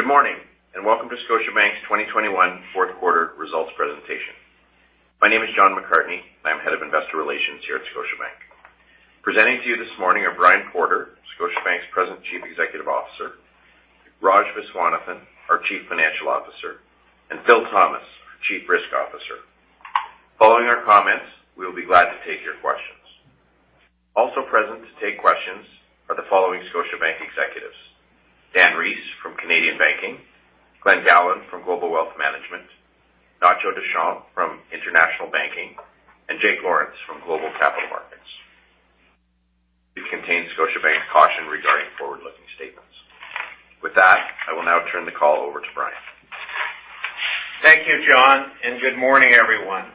Good morning, and welcome to Scotiabank's 2021 fourth quarter results presentation. My name is John McCartney, and I'm Head of Investor Relations here at Scotiabank. Presenting to you this morning are Brian Porter, Scotiabank's President and Chief Executive Officer, Raj Viswanathan, our Chief Financial Officer, and Phil Thomas, our Chief Risk Officer. Following our comments, we'll be glad to take your questions. Also present to take questions are the following Scotiabank executives, Dan Rees from Canadian Banking, Glen Gowland from Global Wealth Management, Ignacio Deschamps from International Banking, and Jake Lawrence from Global Banking and Markets. It contains Scotiabank's caution regarding forward-looking statements. With that, I will now turn the call over to Brian. Thank you, John, and good morning, everyone.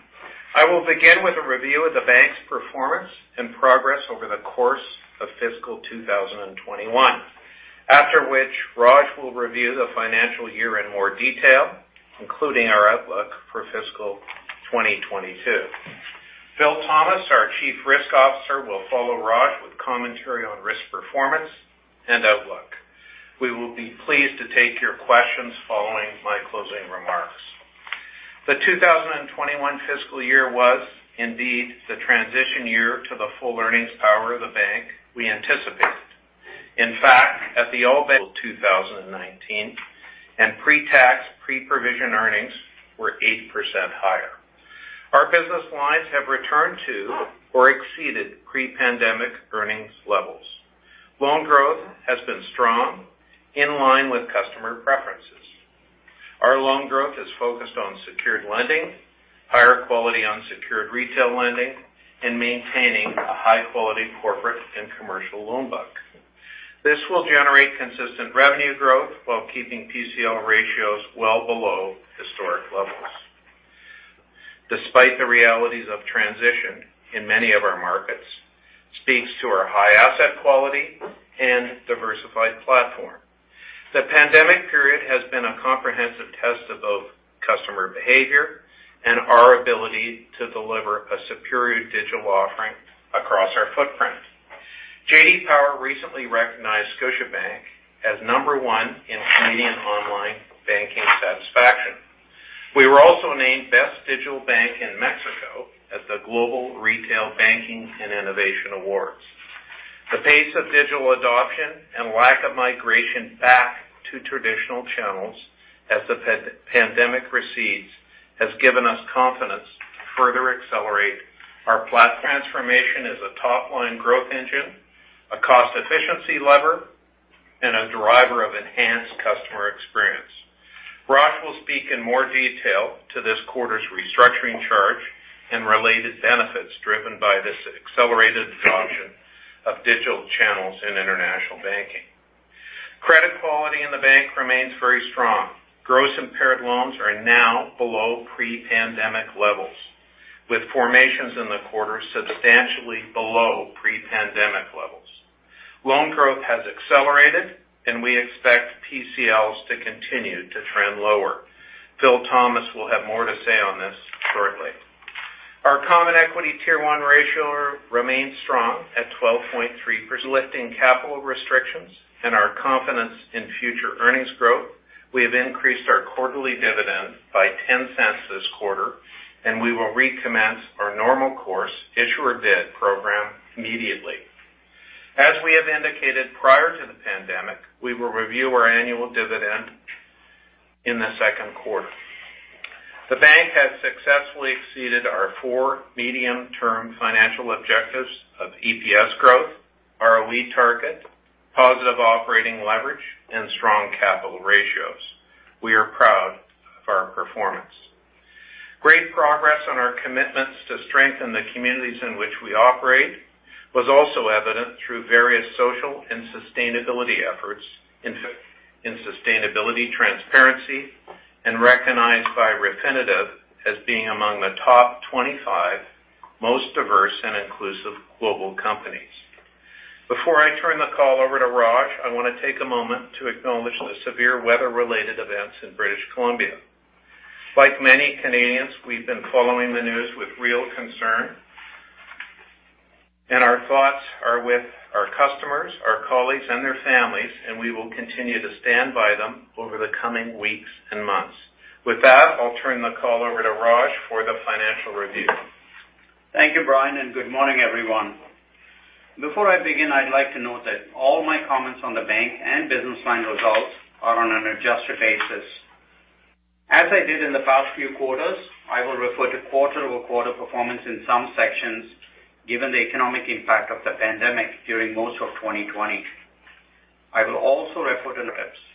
I will begin with a review of the bank's performance and progress over the course of fiscal 2021. After which, Raj will review the financial year in more detail, including our outlook for fiscal 2022. Phil Thomas, our Chief Risk Officer, will follow Raj with commentary on risk performance and outlook. We will be pleased to take your questions following my closing remarks. The 2021 fiscal year was indeed the transition year to the full earnings power of the bank we anticipated. In fact, at the end of 2019, pre-tax, pre-provision earnings were 8% higher. Our business lines have returned to or exceeded pre-pandemic earnings levels. Loan growth has been strong, in line with customer preferences. Our loan growth is focused on secured lending, higher quality unsecured retail lending, and maintaining a high quality corporate and commercial loan book. This will generate consistent revenue growth while keeping PCL ratios well below historic levels. Despite the realities of transition in many of our markets, this speaks to our high asset quality and diversified platform. The pandemic period has been a comprehensive test of both customer behavior and our ability to deliver a superior digital offering across our footprint. J.D. Power recently recognized Scotiabank as number one in Canadian online banking satisfaction. We were also named Best Digital Bank in Mexico at the Global Retail Banking Innovation Awards. The pace of digital adoption and lack of migration back to traditional channels as the post-pandemic recedes has given us confidence to further accelerate our platform transformation as a top line growth engine, a cost efficiency lever, and a driver of enhanced customer experience. Raj will speak in more detail to this quarter's restructuring charge and related benefits driven by this accelerated adoption of digital channels in International Banking. Credit quality in the bank remains very strong. Gross impaired loans are now below pre-pandemic levels, with formations in the quarter substantially below pre-pandemic levels. Loan growth has accelerated, and we expect PCLs to continue to trend lower. Phil Thomas will have more to say on this shortly. Our common Tier 1 ratio remains strong at 12.3%, lifting capital restrictions and our confidence in future earnings growth. We have increased our quarterly dividend by 0.10 this quarter, and we will recommence our normal course issuer bid program immediately. As we have indicated prior to the pandemic, we will review our annual dividend in the second quarter. The bank has successfully exceeded our four medium-term financial objectives of EPS growth, ROE target, positive operating leverage, and strong capital ratios. We are proud of our performance. Great progress on our commitments to strengthen the communities in which we operate was also evident through various social and sustainability efforts in sustainability transparency and recognized by Refinitiv as being among the top 25 most diverse and inclusive global companies. Before I turn the call over to Raj, I wanna take a moment to acknowledge the severe weather related events in British Columbia. Like many Canadians, we've been following the news with real concern, and our thoughts are with our customers, our colleagues, and their families, and we will continue to stand by them over the coming weeks and months. With that, I'll turn the call over to Raj for the financial review. Thank you, Brian, and good morning, everyone. Before I begin, I'd like to note that all my comments on the bank and business line results are on an adjusted basis. As I did in the past few quarters, I will refer to quarter-over-quarter performance in some sections, given the economic impact of the pandemic during most of 2020. I will also refer to the risks.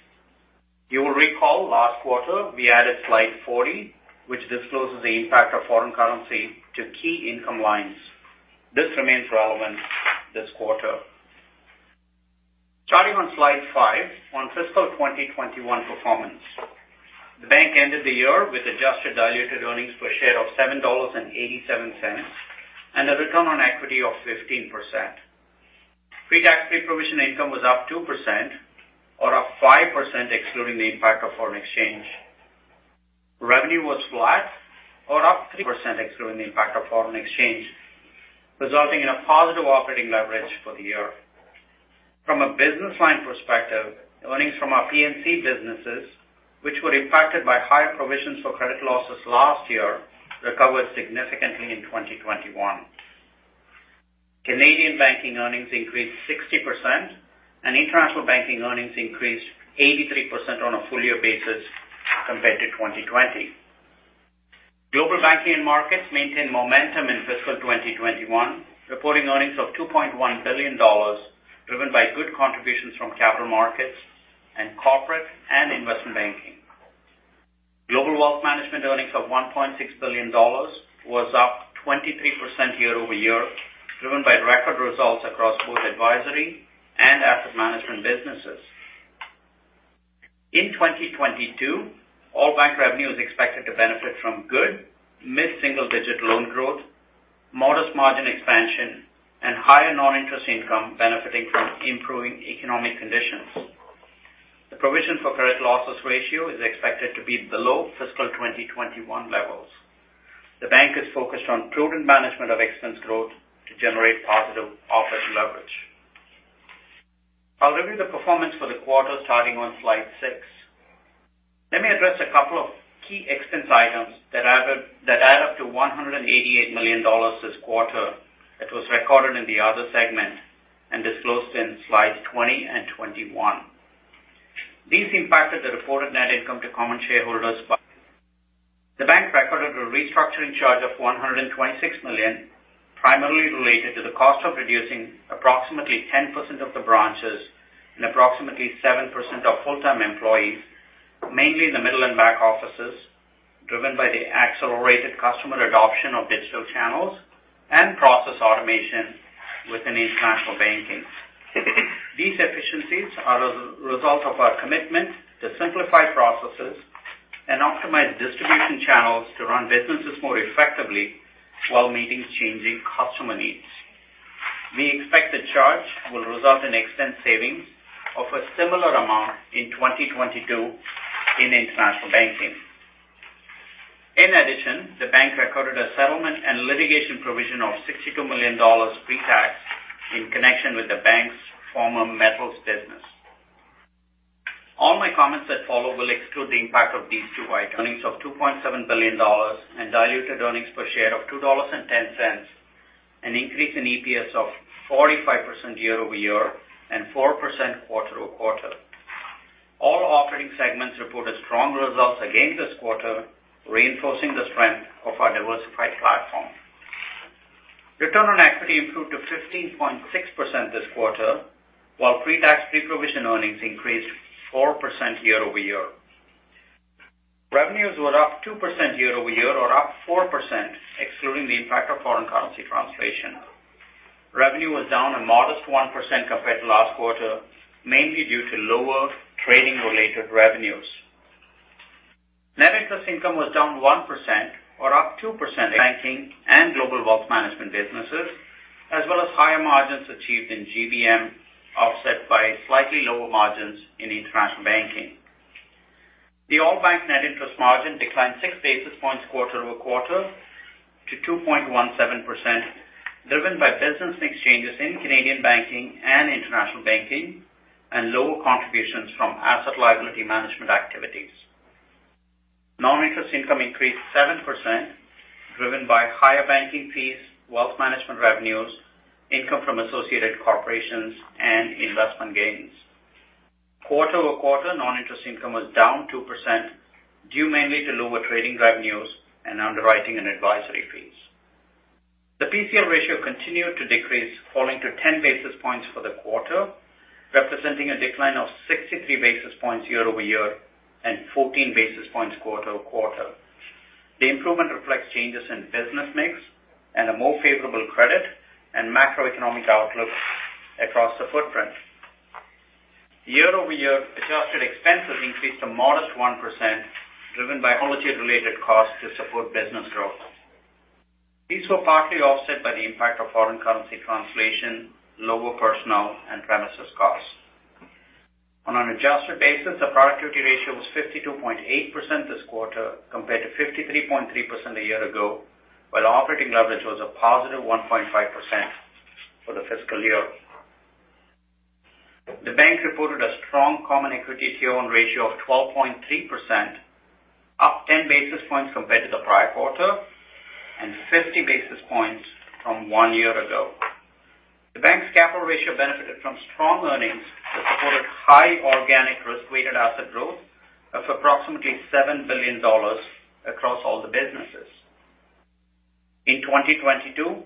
You will recall last quarter, we added slide 40, which discloses the impact of foreign currency to key income lines. This remains relevant this quarter. Starting on slide 5 on fiscal 2021 performance. The bank ended the year with adjusted diluted earnings per share of 7.87 dollars, and a return on equity of 15%. Pre-tax, pre-provision income was up 2% or up 5% excluding the impact of foreign exchange. Revenue was flat or up 3% excluding the impact of foreign exchange, resulting in a positive operating leverage for the year. From a business line perspective, earnings from our P&C businesses, which were impacted by higher provisions for credit losses last year, recovered significantly in 2021. Canadian Banking earnings increased 60% and International Banking earnings increased 83% on a full year basis compared to 2020. Global Banking and Markets maintained momentum in fiscal 2021, reporting earnings of 2.1 billion dollars, driven by good contributions from capital markets and corporate and investment banking. Global Wealth Management earnings of 1.6 billion dollars was up 23% year-over-year, driven by record results across both advisory and asset management businesses. In 2022, all Bank revenue is expected to benefit from good mid-single-digit loan growth, modest margin expansion, and higher non-interest income benefiting from improving economic conditions. The provision for credit losses ratio is expected to be below fiscal 2021 levels. The Bank is focused on prudent management of expense growth to generate positive operating leverage. I'll review the performance for the quarter starting on slide 6. Let me address a couple of key expense items that add up to 188 million dollars this quarter that was recorded in the other segment and disclosed in slides 20 and 21. These items impacted the reported net income to common shareholders by CAD 126 million. The bank recorded a restructuring charge of 126 million, primarily related to the cost of reducing approximately 10% of the branches and approximately 7% of full-time employees, mainly in the middle and back offices, driven by the accelerated customer adoption of digital channels and process automation within International Banking. These efficiencies are as a result of our commitment to simplify processes and optimize distribution channels to run businesses more effectively while meeting changing customer needs. We expect the charge will result in annual savings of a similar amount in 2022 in International Banking. In addition, the bank recorded a settlement and litigation provision of 62 million dollars pre-tax in connection with the bank's former metals business. All my comments that follow will exclude the impact of these two items. Earnings of 2.7 billion dollars and diluted earnings per share of 2.10 dollars, an increase in EPS of 45% year-over-year and 4% quarter-over-quarter. All operating segments reported strong results again this quarter, reinforcing the strength of our diversified platform. Return on equity improved to 15.6% this quarter, while pre-tax pre-provision earnings increased 4% year-over-year. Revenues were up 2% year-over-year or up 4%, excluding the impact of foreign currency translation. Revenue was down a modest 1% compared to last quarter, mainly due to lower trading related revenues. Net interest income was down 1% or up 2%, banking and Global Wealth Management businesses, as well as higher margins achieved in GBM, offset by slightly lower margins in International Banking. The all-bank net interest margin declined 6 basis points quarter-over-quarter to 2.17%, driven by business mix changes in Canadian Banking and International Banking and lower contributions from asset liability management activities. Non-interest income increased 7%, driven by higher banking fees, wealth management revenues, income from associated corporations and investment gains. Quarter-over-quarter non-interest income was down 2%, due mainly to lower trading revenues and underwriting and advisory fees. The PCL ratio continued to decrease, falling to 10 basis points for the quarter, representing a decline of 63 basis points year-over-year and 14 basis points quarter-over-quarter. The improvement reflects changes in business mix and a more favorable credit and macroeconomic outlook across the footprint. Year-over-year adjusted expenses increased a modest 1%, driven by holiday-related costs to support business growth. These were partly offset by the impact of foreign currency translation, lower personnel and premises costs. On an adjusted basis, the productivity ratio was 52.8% this quarter compared to 53.3% a year ago, while operating leverage was a +1.5% for the fiscal year. The bank reported a strong common Tier 1 ratio of 12.3%, up 10 basis points compared to the prior quarter and 50 basis points from one year ago. The bank's capital ratio benefited from strong earnings that supported high organic risk-weighted asset growth of approximately 7 billion dollars across all the businesses. In 2022,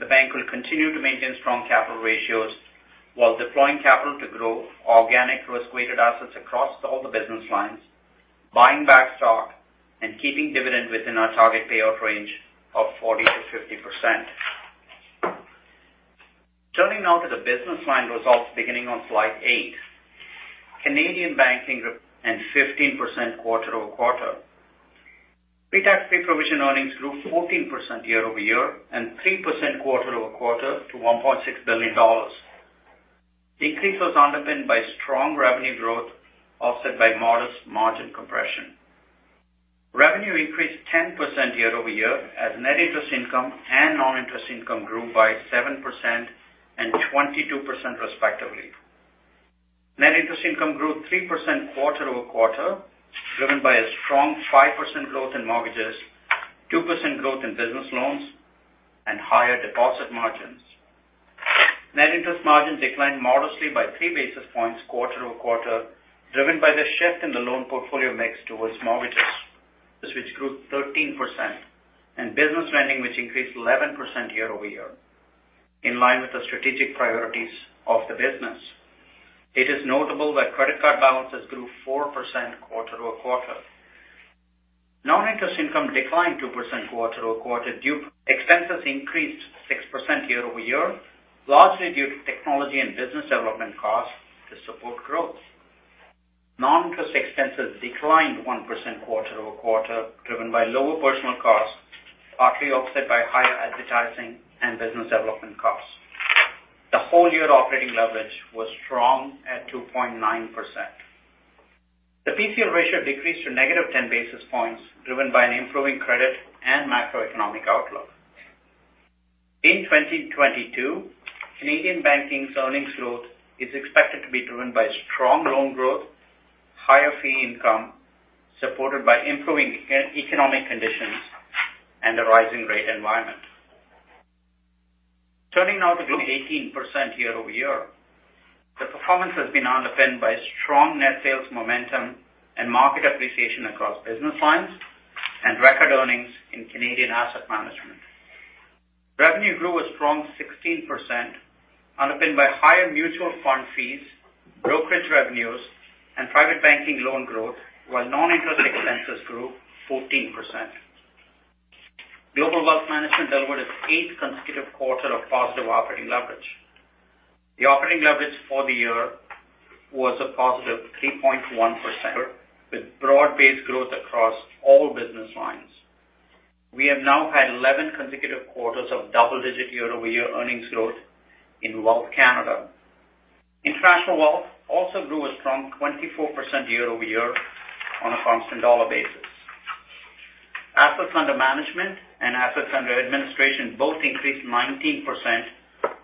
the bank will continue to maintain strong capital ratios while deploying capital to grow organic risk-weighted assets across all the business lines, buying back stock, and keeping dividend within our target payout range of 40%-50%. Turning now to the business line results beginning on slide 8. Canadian Banking, 15% quarter-over-quarter. Pre-tax, pre-provision earnings grew 14% year-over-year and 3% quarter-over-quarter to 1.6 billion dollars. Increase was underpinned by strong revenue growth, offset by modest margin compression. Revenue increased 10% year-over-year as net interest income and non-interest income grew by 7% and 22% respectively. Net interest income grew 3% quarter-over-quarter, driven by a strong 5% growth in mortgages, 2% growth in business loans, and higher deposit margins. Net interest margin declined modestly by 3 basis points quarter-over-quarter, driven by the shift in the loan portfolio mix towards mortgages, which grew 13%, and business lending, which increased 11% year-over-year, in line with the strategic priorities of the business. It is notable that credit card balances grew 4% quarter-over-quarter. Non-interest income declined 2% quarter-over-quarter. Expenses increased 6% year-over-year, largely due to technology and business development costs to support growth. Non-interest expenses declined 1% quarter-over-quarter, driven by lower personal costs, partly offset by higher advertising and business development costs. The whole year operating leverage was strong at 2.9%. The PCL ratio decreased to -10 basis points, driven by an improving credit and macroeconomic outlook. In 2022, Canadian Banking's earnings growth is expected to be driven by strong loan growth, higher fee income, supported by improving economic conditions and a rising rate environment. Turning now to Global 18% year-over-year. The performance has been underpinned by strong net sales momentum and market appreciation across business lines and record earnings in Canadian Asset Management. Revenue grew a strong 16% underpinned by higher mutual fund fees, brokerage revenues, and private banking loan growth, while non-interest expenses grew 14%. Global Wealth Management delivered its eighth consecutive quarter of positive operating leverage. The operating leverage for the year was a positive 3.1% with broad-based growth across all business lines. We have now had 11 consecutive quarters of double-digit year-over-year earnings growth in Wealth Canada. International Wealth also grew a strong 24% year-over-year on a constant dollar basis. Assets under management and assets under administration both increased 19%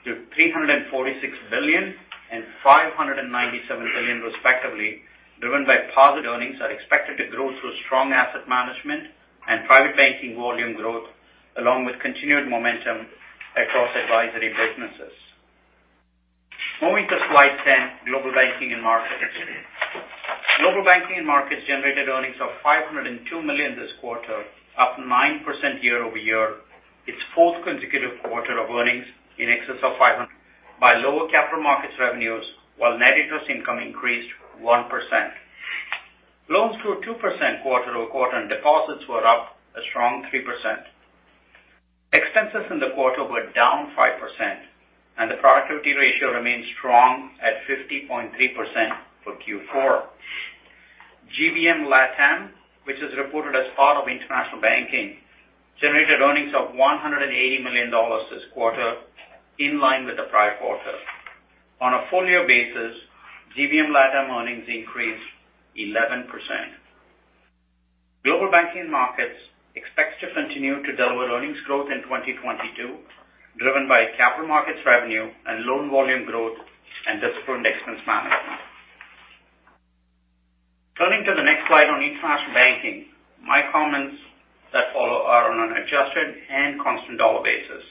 to 346 billion and 597 billion respectively. Earnings are expected to grow through strong asset management and private banking volume growth, along with continued momentum across advisory businesses. Moving to slide 10, Global Banking and Markets. Global Banking and Markets generated earnings of 502 million this quarter, up 9% year-over-year, its fourth consecutive quarter of earnings in excess of 500 million, despite lower capital markets revenues, while net interest income increased 1%. Loans grew 2% quarter-over-quarter and deposits were up a strong 3%. Expenses in the quarter were down 5% and the productivity ratio remains strong at 50.3% for Q4. GBM LatAm, which is reported as part of International Banking, generated earnings of 180 million dollars this quarter, in line with the prior quarter. On a full year basis, GBM LatAm earnings increased 11%. Global Banking and Markets expects to continue to deliver earnings growth in 2022, driven by capital markets revenue and loan volume growth and disciplined expense management. Turning to the next slide on International Banking, my comments that follow are on an adjusted and constant dollar basis.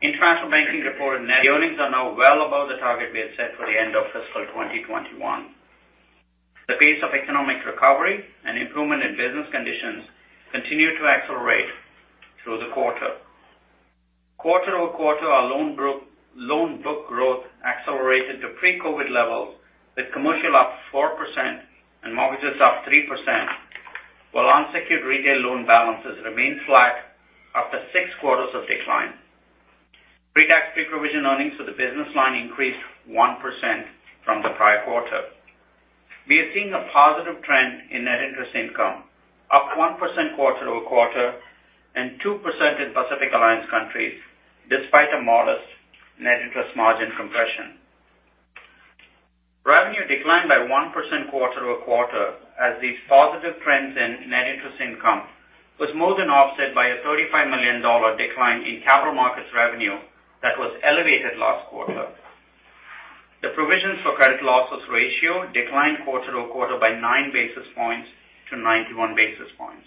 International Banking reported net earnings are now well above the target we had set for the end of fiscal 2021. The pace of economic recovery and improvement in business conditions continued to accelerate through the quarter. Quarter-over-quarter, our loan book growth accelerated to pre-COVID levels, with commercial up 4% and mortgages up 3%, while unsecured retail loan balances remained flat after six quarters of decline. Pre-tax pre-provision earnings for the business line increased 1% from the prior quarter. We are seeing a positive trend in net interest income, up 1% quarter-over-quarter and 2% in Pacific Alliance countries, despite a modest net interest margin compression. Revenue declined by 1% quarter-over-quarter as these positive trends in net interest income was more than offset by a 35 million dollar decline in capital markets revenue that was elevated last quarter. The provisions for credit losses ratio declined quarter-over-quarter by 9 basis points to 91 basis points.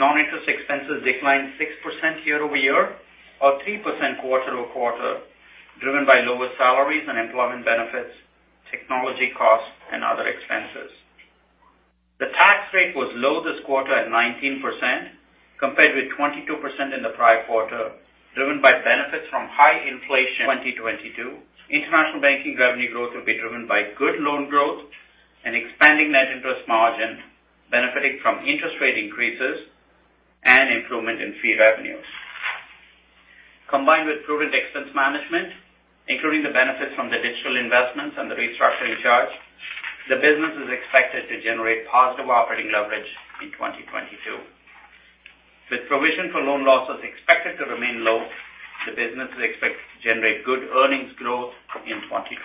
Non-interest expenses declined 6% year-over-year or 3% quarter-over-quarter, driven by lower salaries and employment benefits, technology costs and other expenses. The tax rate was low this quarter at 19%, compared with 22% in the prior quarter, driven by benefits from high inflation in 2022. International Banking revenue growth will be driven by good loan growth and expanding net interest margin, benefiting from interest rate increases and improvement in fee revenues. Combined with prudent expense management, including the benefits from the digital investments and the restructuring charge, the business is expected to generate positive operating leverage in 2022. With provision for loan losses expected to remain low, the business is expected to generate good earnings growth in 2022.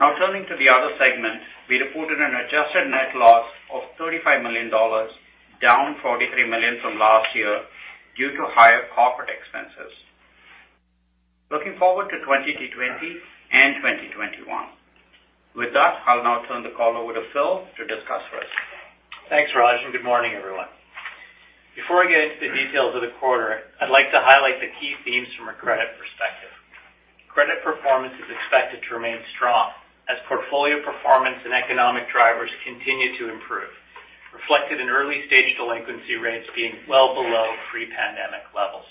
Now turning to the other segment, we reported an adjusted net loss of 35 million dollars, down 43 million from last year due to higher corporate expenses. Looking forward to 2020 and 2021. With that, I'll now turn the call over to Phil to discuss the rest of today. Thanks, Raj, and good morning, everyone. Before I get into the details of the quarter, I'd like to highlight the key themes from a credit perspective. Credit performance is expected to remain strong as portfolio performance and economic drivers continue to improve, reflected in early-stage delinquency rates being well below pre-pandemic levels.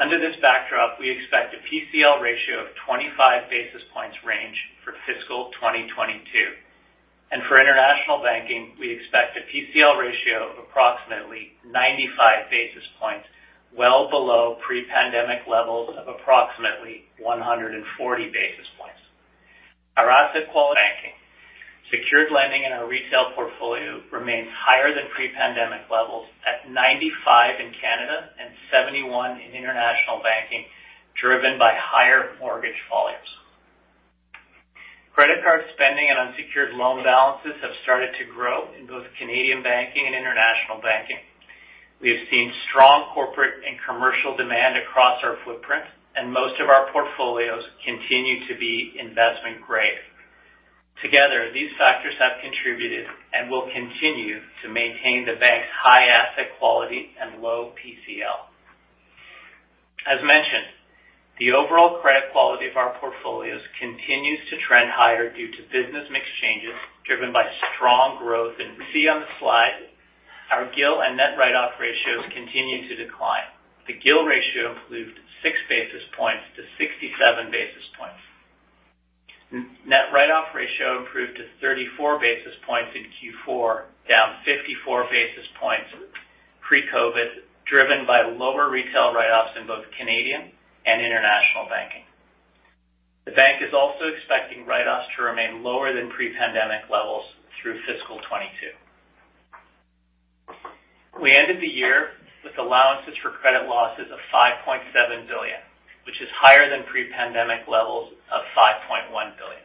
Under this backdrop, we expect a PCL ratio of 25 basis points range for fiscal 2022. For International Banking, we expect a PCL ratio of approximately 95 basis points, well below pre-pandemic levels of approximately 140 basis points. Our asset quality in banking, secured lending in our retail portfolio remains higher than pre-pandemic levels at 95% in Canada and 71% in International Banking, driven by higher mortgage volumes. Credit card spending and unsecured loan balances have started to grow in both Canadian Banking and International Banking. We have seen strong corporate and commercial demand across our footprint, and most of our portfolios continue to be investment grade. Together, these factors have contributed and will continue to maintain the bank's high asset quality and low PCL. As mentioned, the overall credit quality of our portfolios continues to trend higher due to business mix changes driven by strong growth. We see on the slide our GIL and net write-off ratios continue to decline. The GIL ratio improved 6 basis points to 67 basis points. Net write-off ratio improved to 34 basis points in Q4, down 54 basis points pre-COVID, driven by lower retail write-offs in both Canadian and international banking. The bank is also expecting write-offs to remain lower than pre-pandemic levels through fiscal 2022. We ended the year with allowances for credit losses of 5.7 billion, which is higher than pre-pandemic levels of 5.1 billion.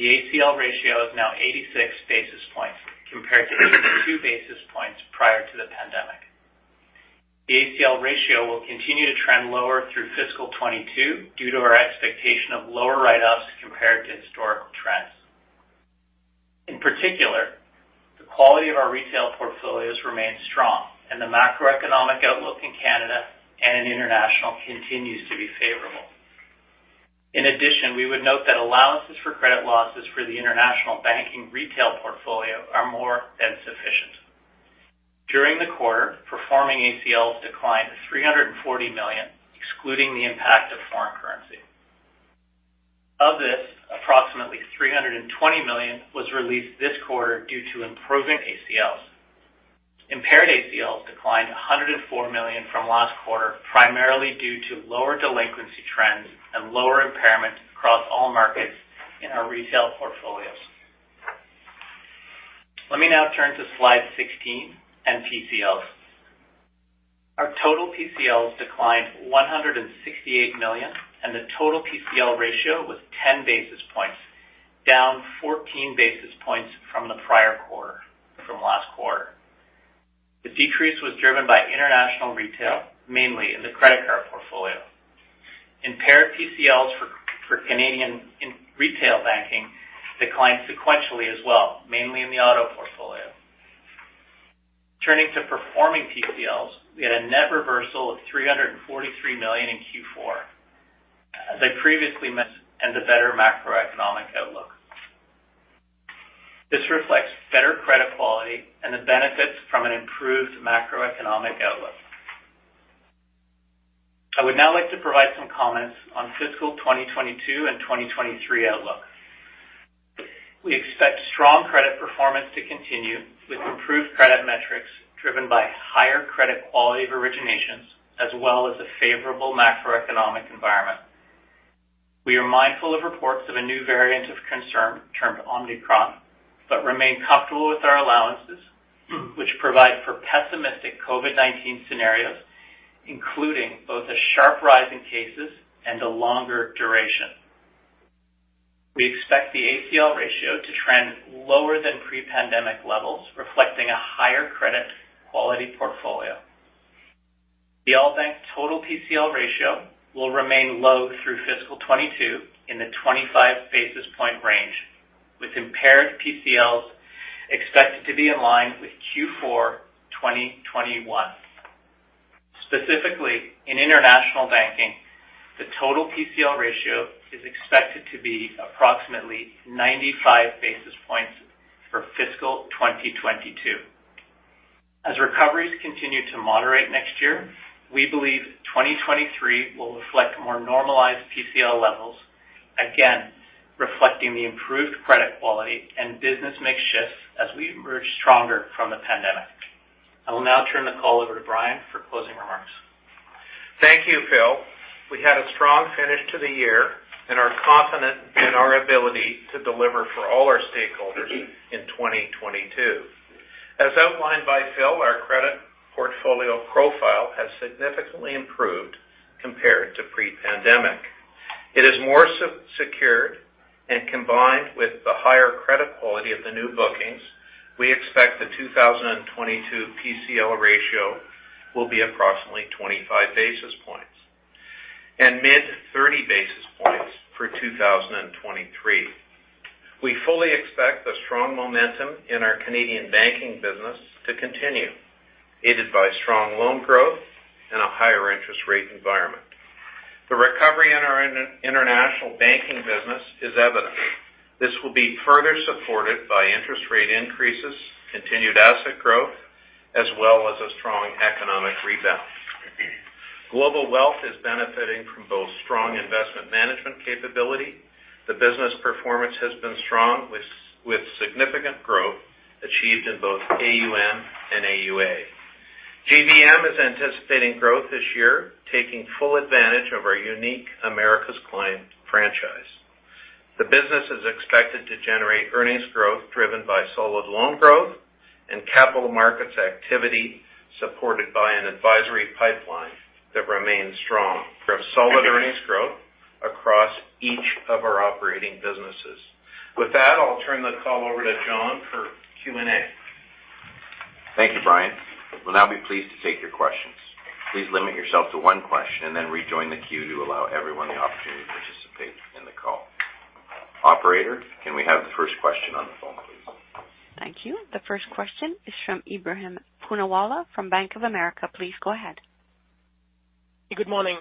The ACL ratio is now 86 basis points compared to 62 basis points prior to the pandemic. The ACL ratio will continue to trend lower through fiscal 2022 due to our expectation of lower write-offs compared to historical trends. In particular, the quality of our retail portfolios remains strong and the macroeconomic outlook in Canada and in international continues to be favorable. In addition, we would note that allowances for credit losses for the international banking retail portfolio are more than sufficient. During the quarter, performing ACLs declined to 340 million, excluding the impact of foreign currency. Of this, approximately 320 million was released this quarter due to improving ACLs. Impaired ACLs declined 104 million from last quarter, primarily due to lower delinquency trends and lower impairments across all markets in our retail portfolios. Let me now turn to slide 16 and PCLs. Our total PCLs declined 168 million, and the total PCL ratio was 10 basis points, down 14 basis points from the prior quarter, from last quarter. The decrease was driven by international retail, mainly in the credit card portfolio. Impaired PCLs for Canadian retail banking declined sequentially as well, mainly in the auto portfolio. Turning to performing PCLs, we had a net reversal of 343 million in Q4. As I previously mentioned, and a better macroeconomic outlook. This reflects better credit quality and the benefits from an improved macroeconomic outlook. I would now like to provide some comments on fiscal 2022 and 2023 outlook. We expect strong credit performance to continue with improved credit metrics driven by higher credit quality of originations as well as a favorable macroeconomic environment. We are mindful of reports of a new variant of concern termed Omicron, but remain comfortable with our allowances, which provide for pessimistic COVID-19 scenarios, including both a sharp rise in cases and a longer duration. We expect the ACL ratio to trend lower than pre-pandemic levels, reflecting a higher credit quality portfolio. The all bank total PCL ratio will remain low through fiscal 2022 in the 25 basis point range, with impaired PCLs expected to be in line with Q4 2021. Specifically, in international banking, the total PCL ratio is expected to be approximately 95 basis points for fiscal 2022. As recoveries continue to moderate next year, we believe 2023 will reflect more normalized PCL levels, again, reflecting the improved credit quality and business mix shifts as we emerge stronger from the pandemic. I will now turn the call over to Brian for closing remarks. Thank you, Phil. We had a strong finish into the year, and are confident in our ability to deliver for all our stakeholders in 2022. As outlined by Phil, our credit portfolio profile has significantly improved compared to pre-pandemic. It is more secured and combined with the higher credit quality of the new bookings. We expect the 2022 PCL ratio will be approximately 25 basis points, and mid-30 basis points for 2023. We fully expect the strong momentum in our Canadian Banking business to continue, aided by strong loan growth and a higher interest rate environment. The recovery in our International Banking business is evident. This will be further supported by interest rate increases, continued asset growth, as well as a strong economic rebound. Global Wealth is benefiting from both strong investment management capability. The business performance has been strong with significant growth achieved in both AUM and AUA. GBM is anticipating growth this year, taking full advantage of our unique Americas client franchise. The business is expected to generate earnings growth driven by solid loan growth and capital markets activity, supported by an advisory pipeline that remains strong from solid earnings growth across each of our operating businesses. With that, I'll turn the call over to John for Q&A. Thank you, Brian. We'll now be pleased to take your questions. Please limit yourself to one question and then rejoin the queue to allow everyone the opportunity to participate in the call. Operator, can we have the first question on the phone, please? Thank you. The first question is from Ebrahim Poonawala from Bank of America. Please go ahead. Good morning.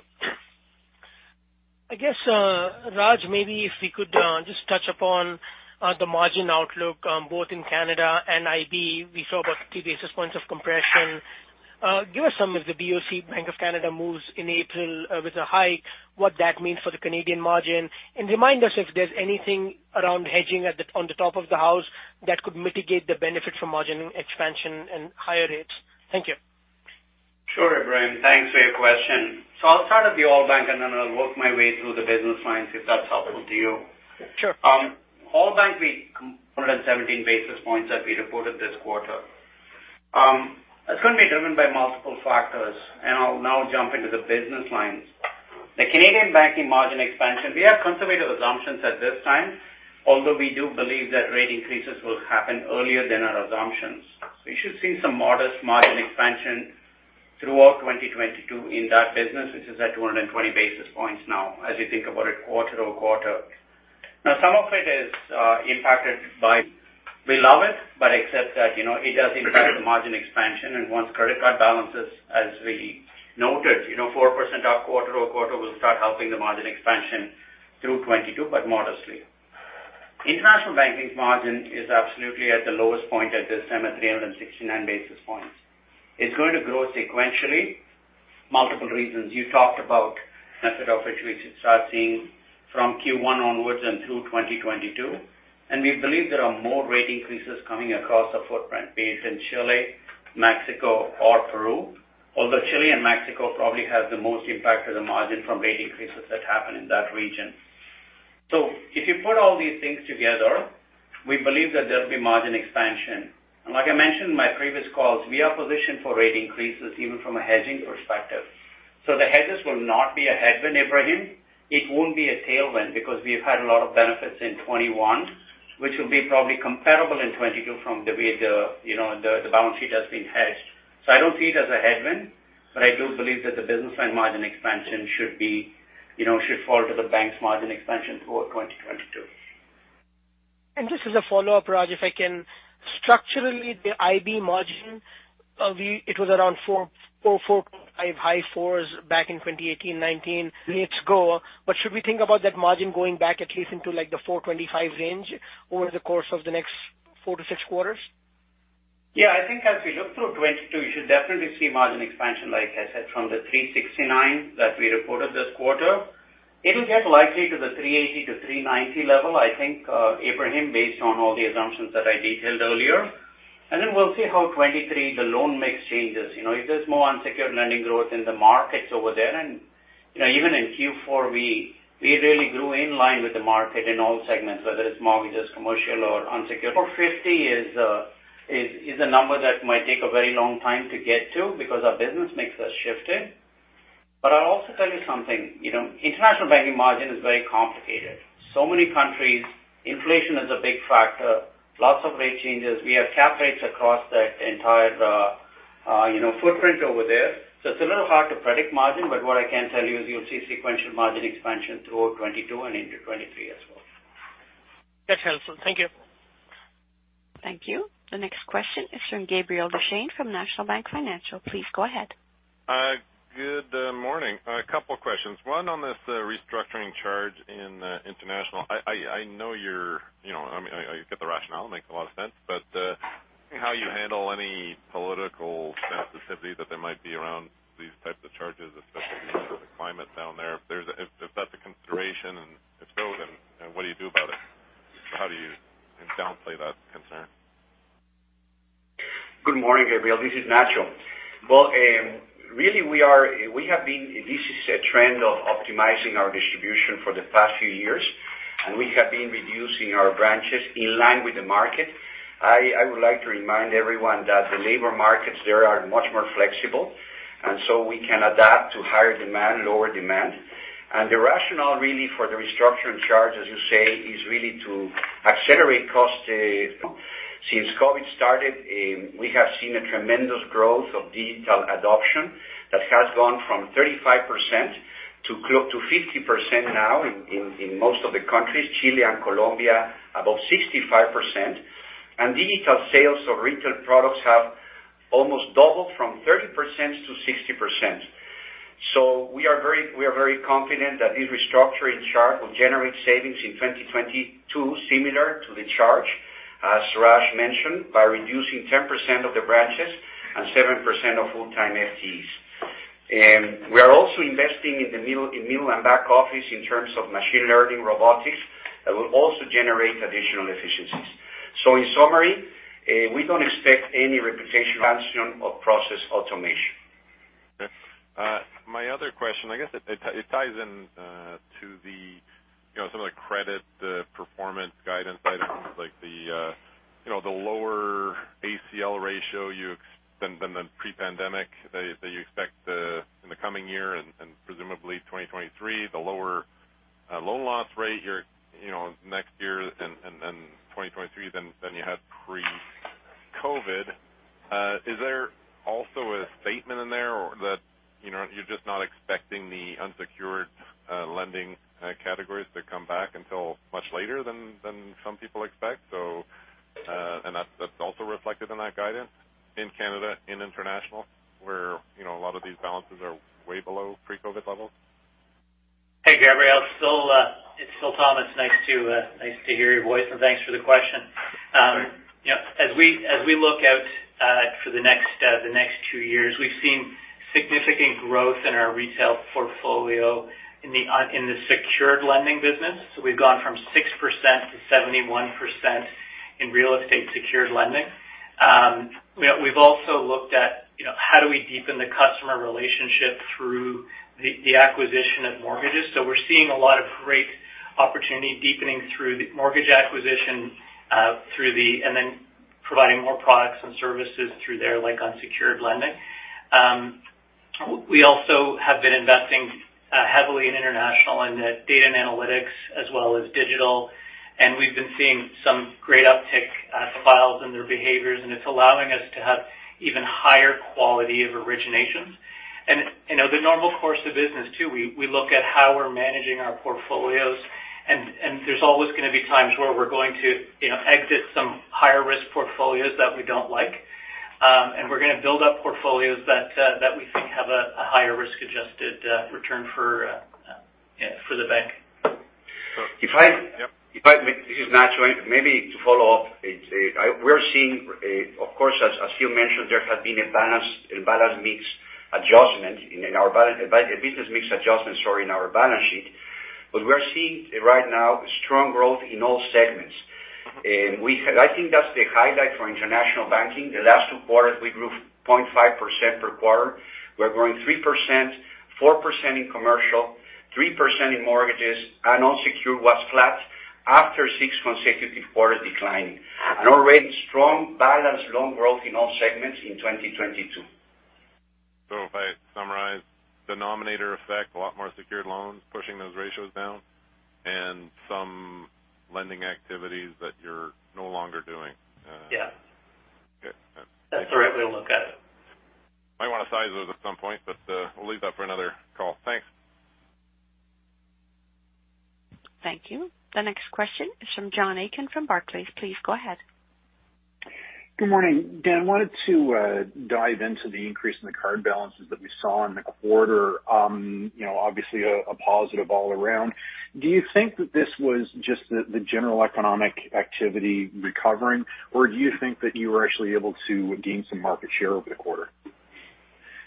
I guess, Raj, maybe if we could just touch upon the margin outlook, both in Canada and IB. We saw about 50 basis points of compression. Give us some sense of if the BOC, Bank of Canada, moves in April with a hike, what that means for the Canadian margin. Remind us if there's anything around hedging on the top of the house that could mitigate the benefit from margin expansion and higher rates. Thank you. Sure, Ebrahim, thanks for your question. I'll start at the whole bank and then I'll work my way through the business lines, if that's helpful to you. Sure. All-bank, we completed 17 basis points that we reported this quarter. It's gonna be driven by multiple factors, and I'll now jump into the business lines. The Canadian Banking margin expansion, we have conservative assumptions at this time, although we do believe that rate increases will happen earlier than our assumptions. We should see some modest margin expansion throughout 2022 in that business, which is at 220 basis points now, as you think about it quarter-over-quarter. Now, some of it is impacted by we love it, but accept that, you know, it does impact the margin expansion. The credit card balances, as we noted, you know, 4% up quarter-over-quarter will start helping the margin expansion through 2022, but modestly. International banking margin is absolutely at the lowest point at this time at 369 basis points. It's going to grow sequentially. Multiple reasons you talked about, many of which we should start seeing from Q1 onwards and through 2022. We believe there are more rate increases coming across the footprint, be it in Chile, Mexico or Peru. Although Chile and Mexico probably have the most impact to the margin from rate increases that happen in that region. If you put all these things together, we believe that there'll be margin expansion. Like I mentioned in my previous calls, we are positioned for rate increases even from a hedging perspective. The hedges will not be a headwind, Ebrahim. It won't be a tailwind because we've had a lot of benefits in 2021, which will be probably comparable in 2022 from the way, you know, the balance sheet has been hedged. I don't see it as a headwind, but I do believe that the business line margin expansion should be, you know, fall to the bank's margin expansion for 2022. Just as a follow-up, Raj, if I can. Structurally, the IB margin, it was around 4.5, high 4s back in 2018, 2019. Let's go. Should we think about that margin going back at least into like the 4.5% range over the course of the next 4-6 quarters? Yeah, I think as we look through 2022, you should definitely see margin expansion, like I said, from the 369 that we reported this quarter. It'll get likely to the 380-390 level, I think, Ebrahim, based on all the assumptions that I detailed earlier. Then we'll see how 2023 the loan mix changes. You know, if there's more unsecured lending growth in the markets over there. Even in Q4, we really grew in line with the market in all segments, whether it's mortgages, commercial or unsecured. 450 is a number that might take a very long time to get to because our business mix has shifted. I'll also tell you something, you know, International Banking margin is very complicated. So many countries, inflation is a big factor, lots of rate changes. We have cap rates across the entire, you know, footprint over there. It's a little hard to predict margin, but what I can tell you is you'll see sequential margin expansion through 2022 and into 2023 as well. That helps. Thank you. Thank you. The next question is from Gabriel Dechaine from National Bank Financial. Please go ahead. Good morning. A couple questions. One on this restructuring charge in International. I know you're, you know, I mean, I get the rationale, it makes a lot of sense, but how you handle any political sensitivity that there might be around these types of charges, especially the climate down there. If that's a consideration, and if so, then what do you do about it? Good morning, Gabriel. This is Ignacio. Well, really, this is a trend of optimizing our distribution for the past few years, and we have been reducing our branches in line with the market. I would like to remind everyone that the labor markets there are much more flexible, and so we can adapt to higher demand, lower demand. The rationale really for the restructuring charge, as you say, is really to accelerate cost. Since COVID started, we have seen a tremendous growth of digital adoption that has gone from 35% to 50% now in most of the countries, Chile and Colombia, above 65%. Digital sales of retail products have almost doubled from 30% to 60%. We are very confident that this restructuring charge will generate savings in 2022 similar to the charge, as Raj mentioned, by reducing 10% of the branches and 7% of full-time FTEs. We are also investing in middle and back office in terms of machine learning robotics that will also generate additional efficiencies. In summary, we don't expect any reputational friction from process automation. Okay. My other question, I guess it ties in to the, you know, some of the credit, the performance guidance items like the, you know, the lower ACL ratio than the pre-pandemic that you expect in the coming year and presumably 2023, the lower loan loss rate. You know, next year and 2023 than you had pre-COVID. Is there also a statement in there or that, you know, you're just not expecting the unsecured lending categories to come back until much later than some people expect? And that's also reflected in that guidance in Canada, in International, where, you know, a lot of these balances are way below pre-COVID levels. Hey, Gabriel. Phil, it's Phil Thomas. Nice to hear your voice, and thanks for the question. You know, as we look out for the next two years, we've seen significant growth in our retail portfolio in the secured lending business. So we've gone from 6% to 71% in real estate secured lending. We've also looked at, you know, how do we deepen the customer relationship through the acquisition of mortgages. So we're seeing a lot of great opportunity deepening through the mortgage acquisition, and then providing more products and services through there, like unsecured lending. We also have been investing heavily in international and data and analytics as well as digital. We've been seeing some great uptick in their behaviors, and it's allowing us to have even higher quality of originations. You know, the normal course of business too, we look at how we're managing our portfolios and there's always gonna be times where we're going to, you know, exit some higher risk portfolios that we don't like. We're gonna build up portfolios that we think have a higher risk-adjusted return for, yeah, for the bank. If I- Yeah. If I may. This is Ignacio. Maybe to follow up. We're seeing, of course, as Phil mentioned, there has been a business mix adjustment, sorry, in our balance sheet. We're seeing right now strong growth in all segments. I think that's the highlight for International Banking. The last two quarters, we grew 0.5% per quarter. We're growing 3%, 4% in commercial, 3% in mortgages, and all secured was flat after six consecutive quarters decline. Already strong, balanced loan growth in all segments in 2022. If I summarize, denominator effect, a lot more secured loans pushing those ratios down and some lending activities that you're no longer doing. Yeah. Okay. That's the right way to look at it. Might wanna size those at some point, but, we'll leave that for another call. Thanks. Thank you. The next question is from John Aitken from Barclays. Please go ahead. Good morning. Dan, I wanted to dive into the increase in the card balances that we saw in the quarter. You know, obviously a positive all around. Do you think that this was just the general economic activity recovering, or do you think that you were actually able to gain some market share over the quarter?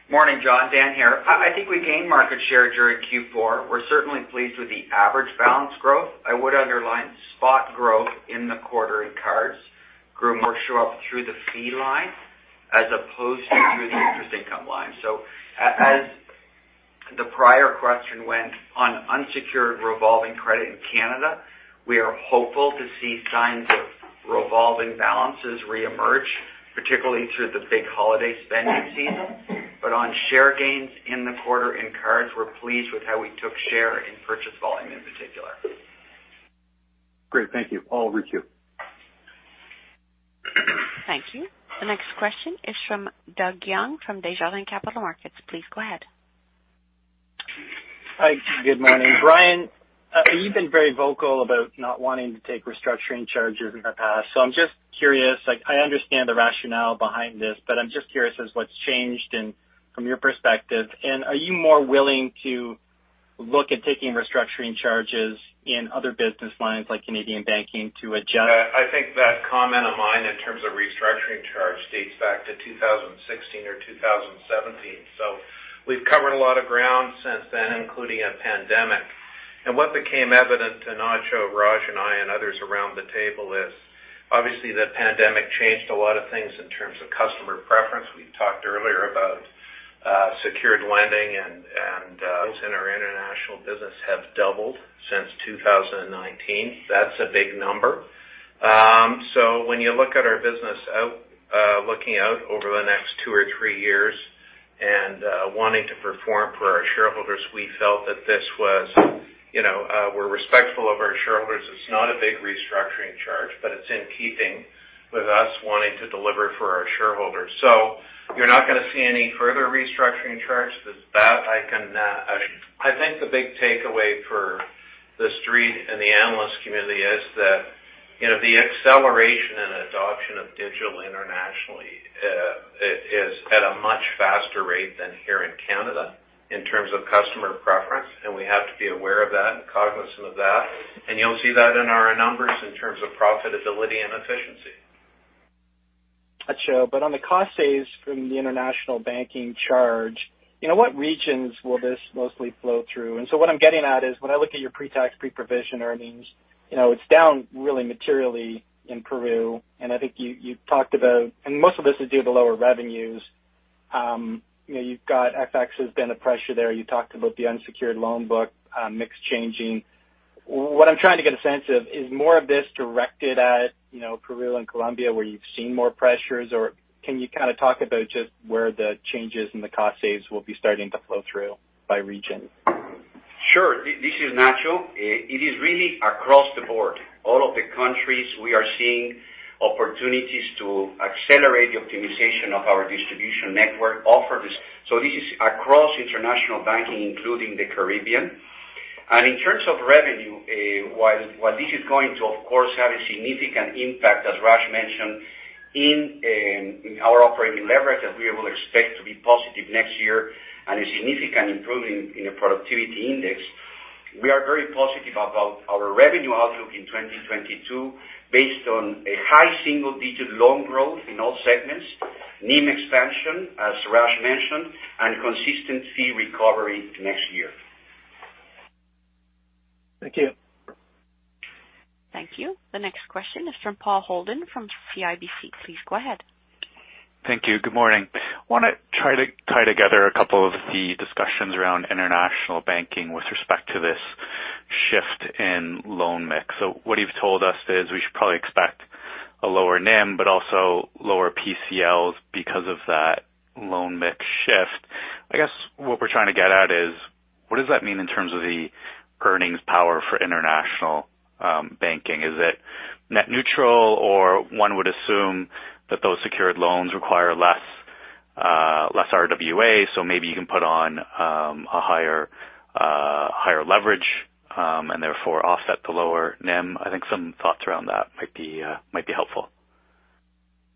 Morning, John. Dan here. I think we gained market share during Q4. We're certainly pleased with the average balance growth. I would underline spot growth in the quarter. In cards, growth shows up more through the fee line as opposed to through the interest income line. As the prior question went on unsecured revolving credit in Canada, we are hopeful to see signs of revolving balances reemerge, particularly through the big holiday spending season. On share gains in the quarter in cards, we're pleased with how we took share in purchase volume in particular. Great. Thank you. All over to you. Thank you. The next question is from Doug Young from Desjardins Capital Markets. Please go ahead. Hi. Good morning. Brian, you've been very vocal about not wanting to take restructuring charges in the past, so I'm just curious. Like, I understand the rationale behind this, but I'm just curious as to what's changed from your perspective, and are you more willing to look at taking restructuring charges in other business lines like Canadian Banking to adjust- I think that comment of mine in terms of restructuring charge dates back to 2016 or 2017. We've covered a lot of ground since then, including a pandemic. What became evident to Ignacio, Raj and I, and others around the table is that the pandemic changed a lot of things in terms of customer preference. We talked earlier about secured lending and in our international business has doubled since 2019. That's a big number. When you look at our business looking out over the next two or three years and wanting to perform for our shareholders, we felt that this was. We're respectful of our shareholders. It's not a big restructuring charge, but it's in keeping with us wanting to deliver for our shareholders. You're not gonna see any further restructuring charge. I think the big takeaway for the Street and the analyst community is that, you know, the acceleration and adoption of digital internationally is at a much faster rate than here in Canada in terms of customer preference, and we have to be aware of that and cognizant of that. You'll see that in our numbers in terms of profitability and efficiency. Ignacio, on the cost savings from the International Banking change, you know, what regions will this mostly flow through? What I'm getting at is when I look at your pre-tax, pre-provision earnings, you know, it's down really materially in Peru, and I think you talked about and most of this is due to lower revenues. You know, you've got FX has been a pressure there. You talked about the unsecured loan book mix changing. What I'm trying to get a sense of is more of this directed at, you know, Peru and Colombia where you've seen more pressures, or can you kinda talk about just where the changes in the cost savings will be starting to flow through by region? Sure. This is Ignacio. It is really across the board. All of the countries we are seeing opportunities to accelerate the optimization of our distribution network offer this. This is across International Banking, including the Caribbean. In terms of revenue, while this is going to of course have a significant impact, as Raj mentioned, in our operating leverage that we will expect to be positive next year and a significant improvement in the productivity index. We are very positive about our revenue outlook in 2022 based on a high single-digit loan growth in all segments, NIM expansion, as Raj mentioned, and consistent fee recovery next year. Thank you. Thank you. The next question is from Paul Holden from CIBC. Please go ahead. Thank you. Good morning. Want to try to tie together a couple of the discussions around International Banking with respect to this shift in loan mix. What you've told us is we should probably expect a lower NIM, but also lower PCLs because of that loan mix shift. I guess what we're trying to get at is what does that mean in terms of the earnings power for International Banking? Is it net neutral or one would assume that those secured loans require less RWA, so maybe you can put on a higher leverage and therefore offset the lower NIM? I think some thoughts around that might be helpful.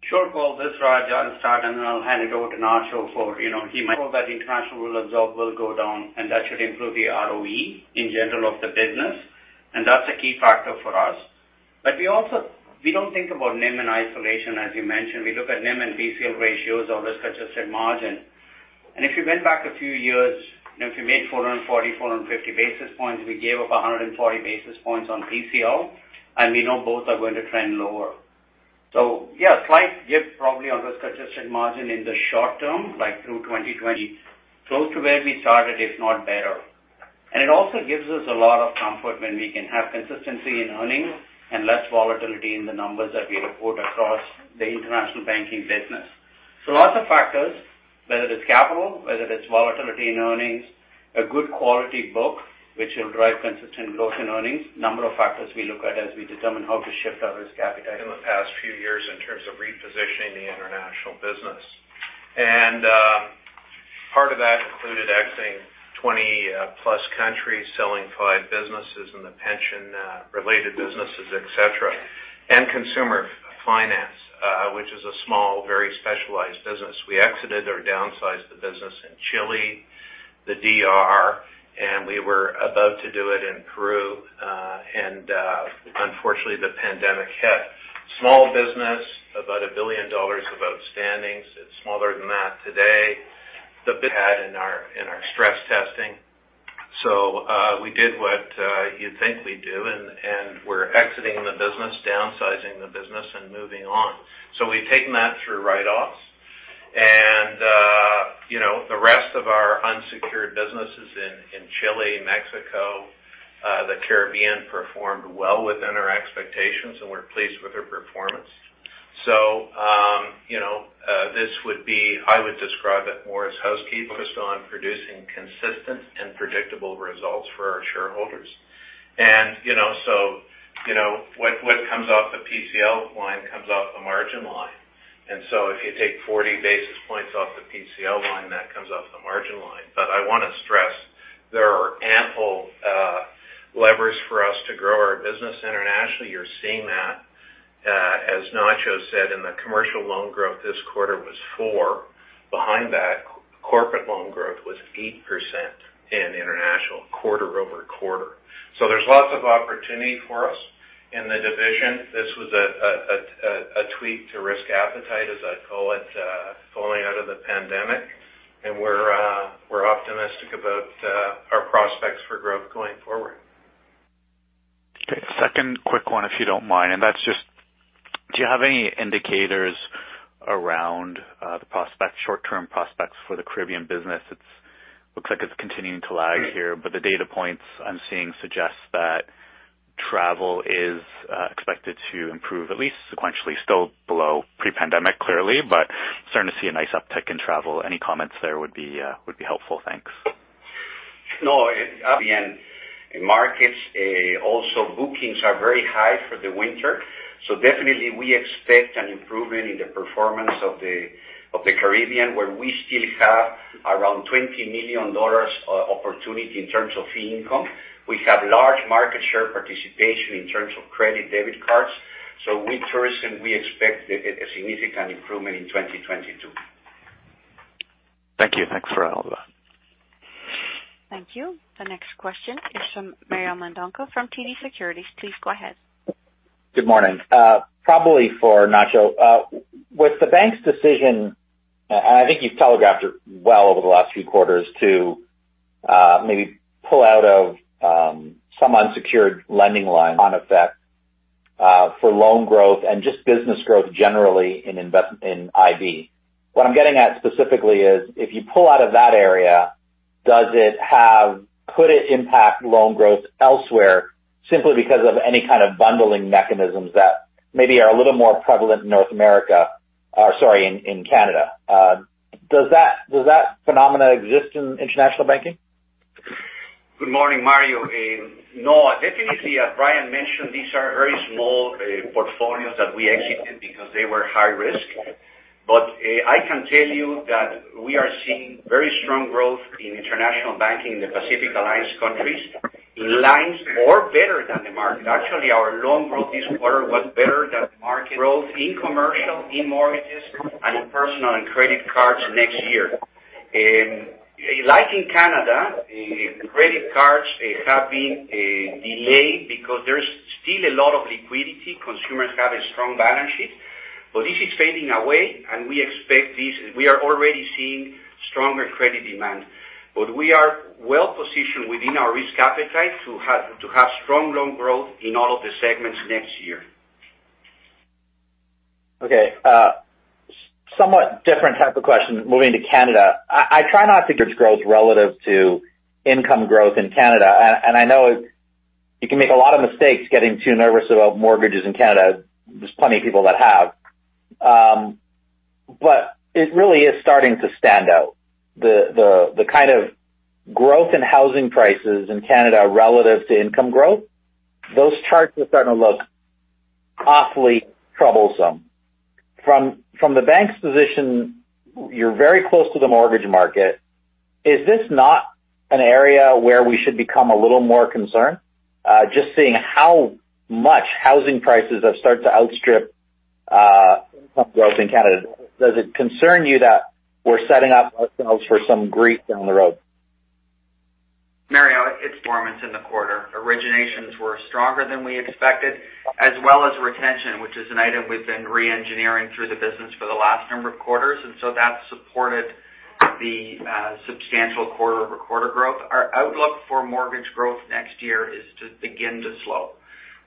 Sure, Paul. This is Raj. I'll start, and then I'll hand it over to Ignacio. You know, well, the international will absorb will go down, and that should improve the ROE in general of the business, and that's a key factor for us. But we also we don't think about NIM in isolation as you mentioned. We look at NIM and PCL ratios, all this adjusted margin. If you went back a few years, you know, if you made 440, 450 basis points, we gave up 140 basis points on PCL, and we know both are going to trend lower. Yeah, slight give probably on risk-adjusted margin in the short term, like through 2020, close to where we started, if not better. It also gives us a lot of comfort when we can have consistency in earnings and less volatility in the numbers that we report across the International Banking business. Lots of factors, whether it's capital, whether it's volatility in earnings, a good quality book which will drive consistent growth in earnings, number of factors we look at as we determine how to shift our risk appetite. In the past few years in terms of repositioning the international business. Part of that included exiting 20+ countries, selling five businesses in the pension related businesses, et cetera. Consumer finance, which is a small, very specialized business. We exited or downsized the business in Chile, the DR, and we were about to do it in Peru. Unfortunately, the pandemic hit. Small business, about 1 billion dollars of outstandings. It's smaller than that today. They had in our stress testing. We did what you think we do, and we're exiting the business, downsizing the business and moving on. We've taken that through write-offs and, you know, the rest of our unsecured businesses in Chile, Mexico, the Caribbean performed well within our expectations, and we're pleased with their performance. You know, I would describe it more as housekeeping focused on producing consistent and predictable results for our shareholders. You know, so, you know, what comes off the PCL line comes off the margin line. If you take 40 basis points off the PCL line, that comes off the margin line. I wanna stress there are ample leverage for us to grow our business internationally. You're seeing that, as Ignacio said in the commercial loan growth this quarter was 4. Behind that corporate loan growth was 8% in international quarter-over-quarter. There's lots of opportunity for us in the division. This was a tweak to risk appetite, as I call it, falling out of the pandemic. We're optimistic about our prospects for growth going forward. Okay. Second quick one, if you don't mind, and that's just do you have any indicators around the prospects, short term prospects for the Caribbean business? It looks like it's continuing to lag here, but the data points I'm seeing suggest that travel is expected to improve at least sequentially. Still below pre-pandemic, clearly, but starting to see a nice uptick in travel. Any comments there would be helpful. Thanks. No. At the end markets, also bookings are very high for the winter. Definitely we expect an improvement in the performance of the Caribbean, where we still have around $20 million opportunity in terms of fee income. We have large market share participation in terms of credit and debit cards. We're first and we expect a significant improvement in 2022. Thank you. Thanks for all that. Thank you. The next question is from Mario Mendonca from TD Securities. Please go ahead. Good morning. Probably for Ignacio, with the bank's decision, and I think you've telegraphed it well over the last few quarters to maybe pull out of some unsecured lending lines in effect for loan growth and just business growth generally in IB. What I'm getting at specifically is if you pull out of that area, could it impact loan growth elsewhere simply because of any kind of bundling mechanisms that maybe are a little more prevalent in North America or sorry, in Canada? Does that phenomena exist in international banking? Good morning, Mario. No, definitely. As Brian mentioned, these are very small portfolios that we exited because they were high risk. I can tell you that we are seeing very strong growth in International Banking in the Pacific Alliance countries in lines much better than the market. Actually, our loan growth this quarter was better than market growth in commercial, in mortgages and in personal and credit cards next year. Like in Canada, credit cards have been delayed because there's still a lot of liquidity. Consumers have a strong balance sheet, but this is fading away and we expect this. We are already seeing stronger credit demand, but we are well positioned within our risk appetite to have strong loan growth in all of the segments next year. Okay. Somewhat different type of question. Moving to Canada, I try not to judge growth relative to income growth in Canada, and I know you can make a lot of mistakes getting too nervous about mortgages in Canada. There's plenty of people that have. But it really is starting to stand out the kind of growth in housing prices in Canada relative to income growth. Those charts are starting to look awfully troublesome. From the bank's position, you're very close to the mortgage market. Is this not an area where we should become a little more concerned, just seeing how much housing prices have started to outstrip income growth in Canada? Does it concern you that we're setting up ourselves for some grief down the road? Mario, it's performance in the quarter. Originations were stronger than we expected, as well as retention, which is an item we've been re-engineering through the business for the last number of quarters. That supported the substantial quarter-over-quarter growth. Our outlook for mortgage growth next year is to begin to slow.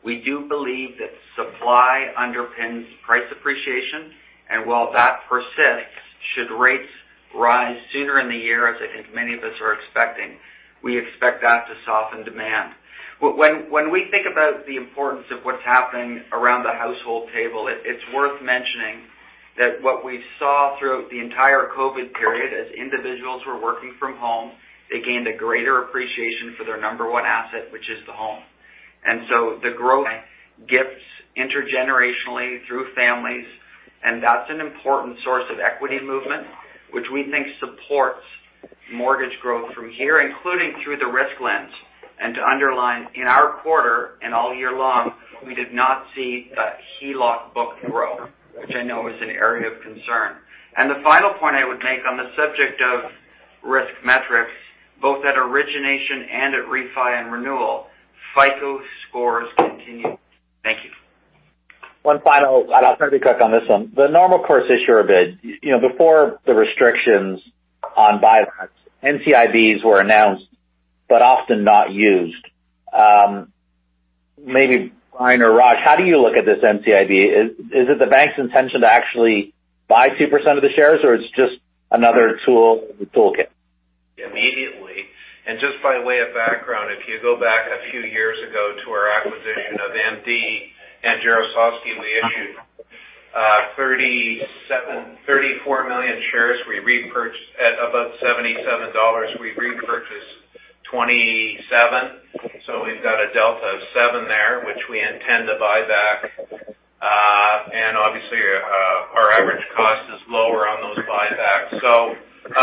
We do believe that supply underpins price appreciation, and while that persists, should rates rise sooner in the year as I think many of us are expecting, we expect that to soften demand. When we think about the importance of what's happening around the household table, it's worth mentioning that what we saw throughout the entire COVID period as individuals were working from home, they gained a greater appreciation for their number one asset, which is the home. The growth gifts intergenerationally through families, and that's an important source of equity movement, which we think supports mortgage growth from here, including through the risk lens. To underline, in our quarter and all year long, we did not see that HELOC book grow, which I know is an area of concern. The final point I would make on the subject of risk metrics, both at origination and at refi and renewal, FICO scores continue. Thank you. One final, I'll try to be quick on this one. The normal course issuer bid, you know, before the restrictions on buybacks, NCIBs were announced but often not used. Maybe Brian or Raj, how do you look at this NCIB? Is it the bank's intention to actually buy 2% of the shares or it's just another tool in the toolkit? Immediately, just by way of background, if you go back a few years ago to our acquisition of MD and Jarislowsky, we issued 34 million shares. We repurchased at about 77 dollars. We repurchased 27. So we've got a delta of 7 there, which we intend to buy back. And obviously, our average cost is lower on those buybacks. So,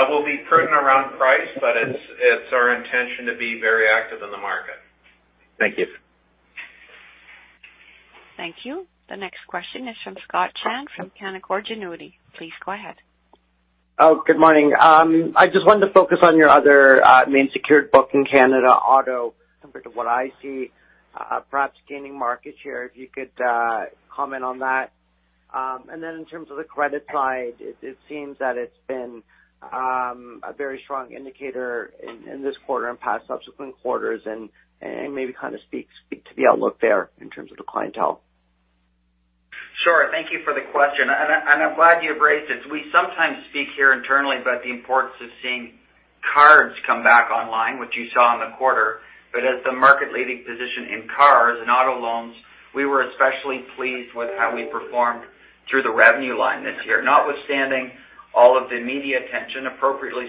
we'll be prudent around price, but it's our intention to be very active in the market. Thank you. Thank you. The next question is from Scott Chan from Canaccord Genuity. Please go ahead. Oh, good morning. I just wanted to focus on your other main secured book in Canadian auto compared to what I see perhaps gaining market share, if you could comment on that. Then in terms of the credit side, it seems that it's been a very strong indicator in this quarter and past subsequent quarters, and maybe kind of speak to the outlook there in terms of the clientele. Sure. Thank you for the question. I'm glad you raised it. We sometimes speak here internally about the importance of seeing cars come back online, which you saw in the quarter. As the market-leading position in cars and auto loans, we were especially pleased with how we performed through the revenue line this year. Notwithstanding all of the media attention appropriately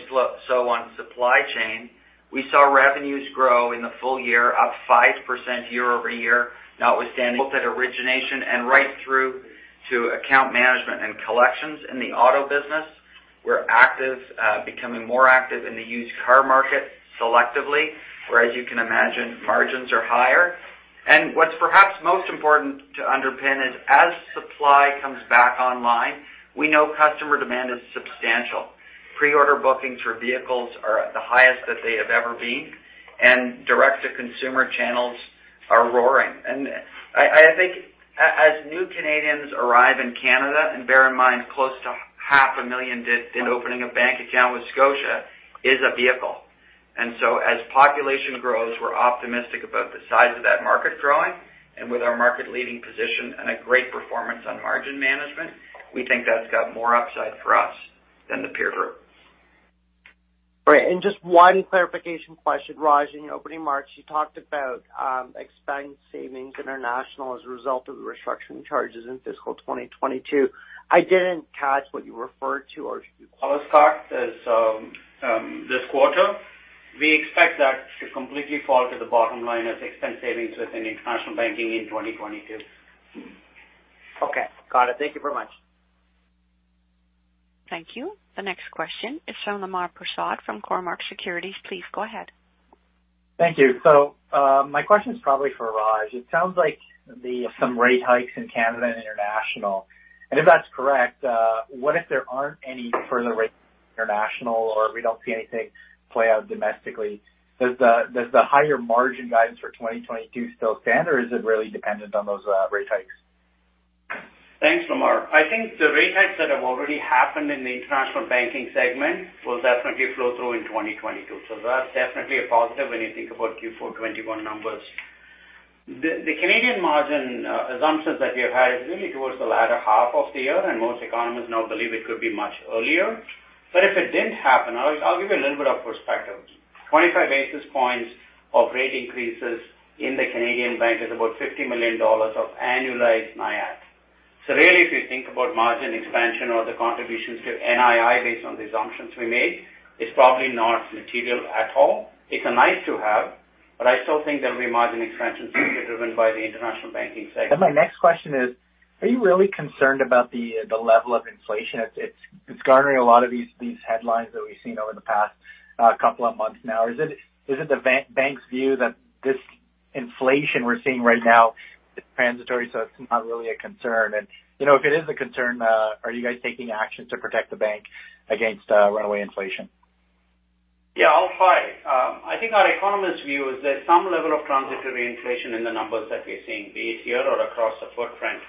so on supply chain, we saw revenues grow in the full year, up 5% year-over-year, notwithstanding both at origination and right through to account management and collections in the auto business. We're active, becoming more active in the used car market selectively, where as you can imagine, margins are higher. What's perhaps most important to underpin is, as supply comes back online, we know customer demand is substantial. Pre-order bookings for vehicles are at the highest that they have ever been, and direct-to-consumer channels are roaring. I think as new Canadians arrive in Canada, and bear in mind, close to 500,000 did, and opening a bank account with Scotia is a vehicle. As population grows, we're optimistic about the size of that market growing. With our market-leading position and a great performance on margin management, we think that's got more upside for us than the peer group. Right. Just one clarification question. Raj, in your opening remarks, you talked about expense savings in international as a result of the restructuring charges in fiscal 2022. I didn't catch what you referred to or. Hello, Scott. As this quarter, we expect that to completely fall to the bottom line as expense savings within International Banking in 2022. Okay. Got it. Thank you very much. Thank you. The next question is from Lemar Persaud from Cormark Securities. Please go ahead. Thank you. My question is probably for Raj. It sounds like some rate hikes in Canada and international. If that's correct, what if there aren't any further rate hikes international or we don't see anything play out domestically? Does the higher margin guidance for 2022 still stand, or is it really dependent on those rate hikes? Thanks, Lemar. I think the rate hikes that have already happened in the International Banking segment will definitely flow through in 2022. That's definitely a positive when you think about Q4 2021 numbers. The Canadian margin assumptions that we have had is really towards the latter half of the year, and most economists now believe it could be much earlier. If it didn't happen, I'll give you a little bit of perspective. 25 basis points of rate increases in the Canadian bank is about 50 million dollars of annualized NIAT. Really, if you think about margin expansion or the contributions to NII based on the assumptions we made, it's probably not material at all. It's a nice to have, but I still think there'll be margin expansion simply driven by the International Banking segment. My next question is, are you really concerned about the level of inflation? It's garnering a lot of these headlines that we've seen over the past couple of months now. Is it the bank's view that this inflation we're seeing right now is transitory, so it's not really a concern? You know, if it is a concern, are you guys taking action to protect the bank against runaway inflation? Yeah, I'll start. I think our economist view is that some level of transitory inflation in the numbers that we're seeing, be it here or across the footprint.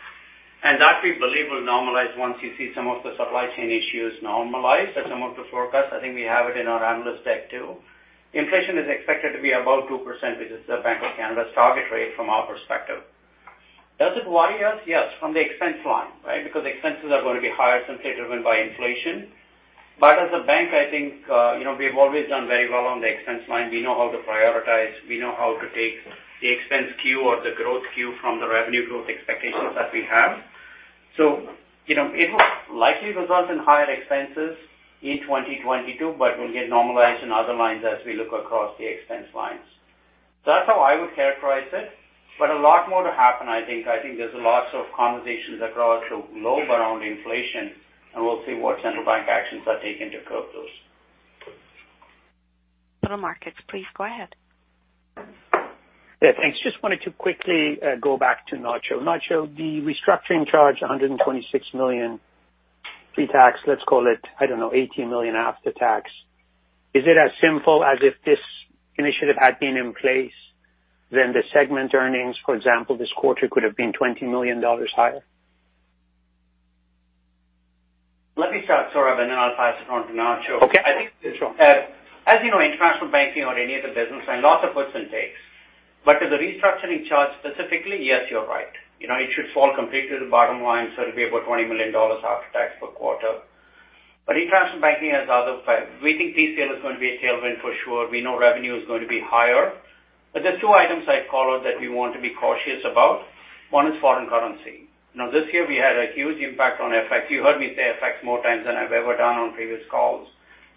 That we believe will normalize once you see some of the supply chain issues normalize as some of those forecasts. I think we have it in our analyst deck, too. Inflation is expected to be above 2%, which is the Bank of Canada's target rate from our perspective. Does it worry us? Yes. From the expense line, right? Because expenses are going to be higher since they're driven by inflation. But as a bank, I think, you know, we've always done very well on the expense line. We know how to prioritize. We know how to take the expense cue or the growth cue from the revenue growth expectations that we have. You know, it will likely result in higher expenses in 2022, but will get normalized in other lines as we look across the expense lines. That's how I would characterize it. A lot more to happen, I think. I think there's lots of conversations across the globe around inflation, and we'll see what central bank actions are taken to curb those. Capital Markets, please go ahead. Yeah, thanks. Just wanted to quickly go back to Ignacio. Ignacio, the restructuring charge, 126 million pre-tax, let's call it, I don't know, 80 million after tax. Is it as simple as if this initiative had been in place, then the segment earnings, for example, this quarter could have been 20 million dollars higher? Let me start, Sohrab, and then I'll pass it on to Ignacio. Okay. I think, as you know, International Banking or any other business line, lots of puts and takes. To the restructuring charge specifically, yes, you're right. You know, it should fall completely to the bottom line. It'll be about 20 million dollars after tax per quarter. International Banking has other factors. We think PCL is going to be a tailwind for sure. We know revenue is going to be higher. There are two items I call out that we want to be cautious about. One is foreign currency. Now, this year, we had a huge impact on FX. You heard me say FX more times than I've ever done on previous calls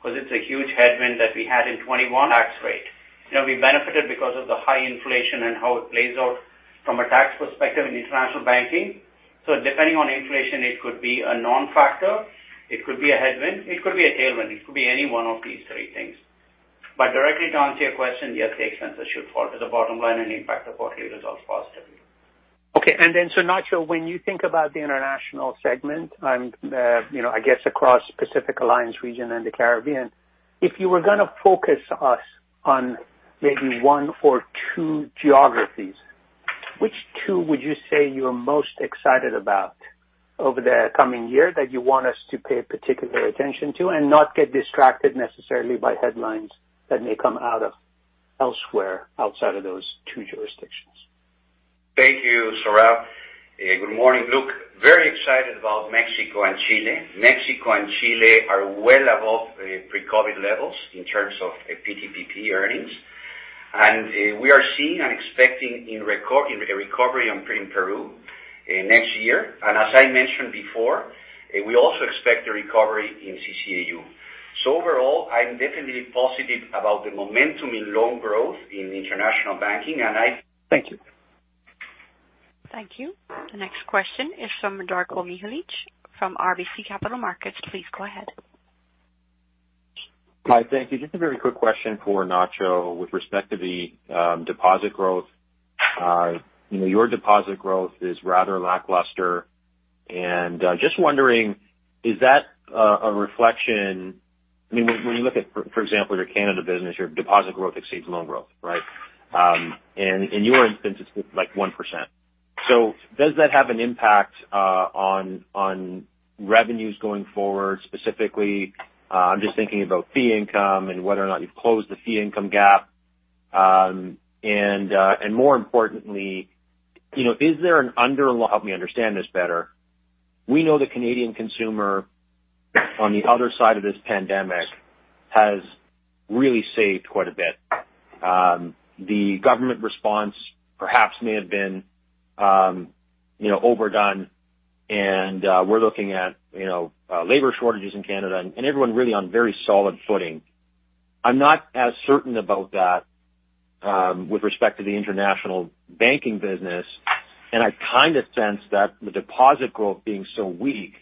because it's a huge headwind that we had in 2021. Tax rate. You know, we benefited because of the high inflation and how it plays out from a tax perspective in International Banking. Depending on inflation, it could be a non-factor, it could be a headwind, it could be a tailwind. It could be any one of these three things. directly to answer your question, yes, the expenses should fall to the bottom line and impact the quarterly results positively. Okay. Ignacio, when you think about the international segment and, you know, I guess across Pacific Alliance region and the Caribbean, if you were gonna focus us on maybe one or two geographies, which two would you say you're most excited about over the coming year that you want us to pay particular attention to and not get distracted necessarily by headlines that may come out of elsewhere outside of those two jurisdictions? Thank you, Sohrab. Good morning, Luke. Very excited about Mexico and Chile. Mexico and Chile are well above pre-COVID levels in terms of PTPP earnings. We are seeing and expecting a recovery in Peru next year. As I mentioned before, we also expect a recovery in CCAU. Overall, I'm definitely positive about the momentum in loan growth in International Banking, and I- Thank you. Thank you. The next question is from Darko Mihelic from RBC Capital Markets. Please go ahead. Hi. Thank you. Just a very quick question for Ignacio with respect to the deposit growth. You know, your deposit growth is rather lackluster. Just wondering, is that a reflection? I mean, when you look at, for example, your Canada business, your deposit growth exceeds loan growth, right? In your instance it's like 1%. So does that have an impact on revenues going forward, specifically, I'm just thinking about fee income and whether or not you've closed the fee income gap. More importantly, you know, help me understand this better. We know the Canadian consumer on the other side of this pandemic has really saved quite a bit. The government response perhaps may have been you know overdone and we're looking at you know labor shortages in Canada and everyone really on very solid footing. I'm not as certain about that with respect to the International Banking business and I kind of sense that the deposit growth being so weak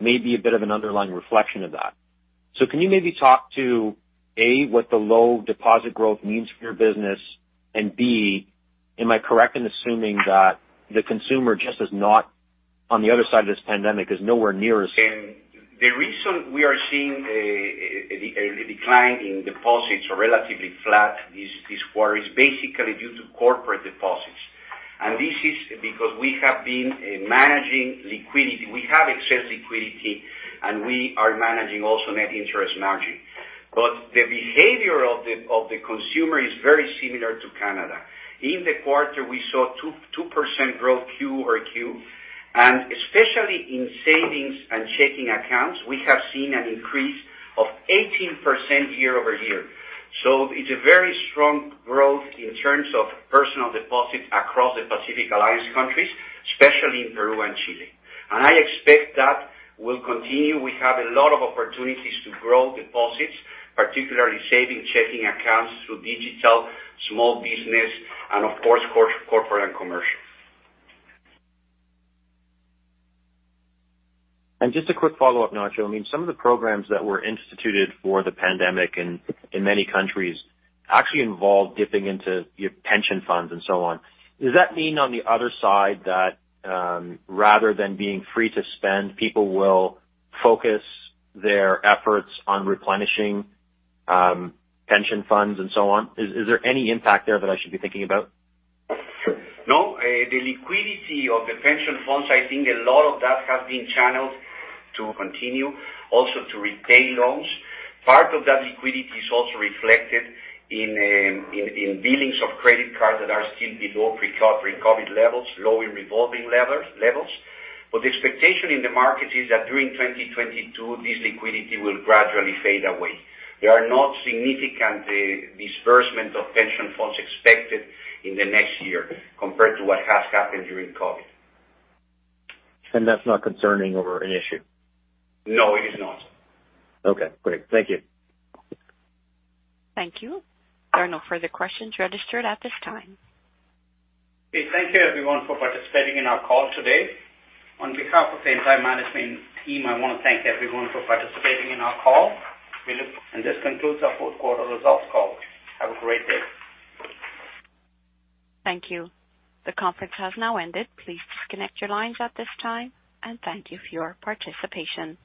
may be a bit of an underlying reflection of that. Can you maybe talk to A, what the low deposit growth means for your business and B, am I correct in assuming that the consumer just is not on the other side of this pandemic is nowhere near as- The reason we are seeing a decline in deposits or relatively flat this quarter is basically due to corporate deposits. This is because we have been managing liquidity. We have excess liquidity, and we are managing also net interest margin. The behavior of the consumer is very similar to Canada. In the quarter, we saw 2% growth Q-over-Q. Especially in savings and checking accounts, we have seen an increase of 18% year-over-year. It's a very strong growth in terms of personal deposits across the Pacific Alliance countries, especially in Peru and Chile. I expect that will continue. We have a lot of opportunities to grow deposits, particularly savings and checking accounts through digital, small business and of course, corporate and commercial. Just a quick follow-up, Ignacio. I mean, some of the programs that were instituted for the pandemic in many countries actually involve dipping into your pension funds and so on. Does that mean on the other side that, rather than being free to spend, people will focus their efforts on replenishing, pension funds and so on? Is there any impact there that I should be thinking about? No. The liquidity of the pension funds, I think a lot of that has been channeled to continue also to repay loans. Part of that liquidity is also reflected in billings of credit cards that are still below pre-COVID levels, low in revolving levels. The expectation in the market is that during 2022, this liquidity will gradually fade away. There are not significant disbursement of pension funds expected in the next year compared to what has happened during COVID. That's not concerning or an issue? No, it is not. Okay, great. Thank you. Thank you. There are no further questions registered at this time. Okay. Thank you everyone for participating in our call today. On behalf of the entire management team, I wanna thank everyone for participating in our call. This concludes our fourth quarter results call. Have a great day. Thank you. The conference has now ended. Please disconnect your lines at this time, and thank you for your participation.